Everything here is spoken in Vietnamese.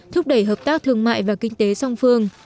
thúc đẩy hợp tác thương mại và kinh tế song phương